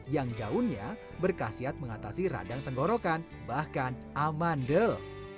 yang daunnya berkasiat mengatasi radang tenggorokan bahkan amandel